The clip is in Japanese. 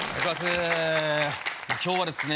今日はですね